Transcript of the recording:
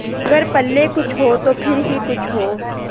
مگر پلے کچھ ہو تو پھر ہی کچھ ہو۔